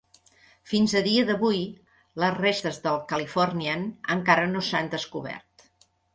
Fins al dia d'avui, les restes del "Californian" encara no s'han descobert.